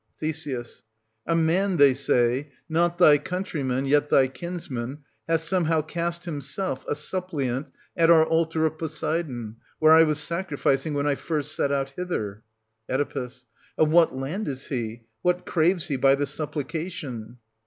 Th. a man, they say, — not thy countryman, yet thy kinsman, — hath somehow cast himself, a suppliant, at our altar of Poseidon, where I was sacrificing when I first set out hither. 1 160 Oe. Of what land is he? What craves he by the supplication